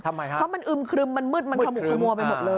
ทำไมฮะเพราะมันอึมครึมมันมืดมันขมุกขมัวไปหมดเลย